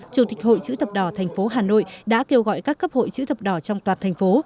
chủ tịch hội chữ thập đỏ thành phố hà nội đã kêu gọi các cấp hội chữ thập đỏ trong toàn thành phố